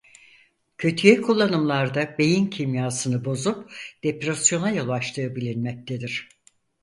Kötüye kullanımlarda beyin kimyasını bozup depresyona yol açtığı bilinmektedir.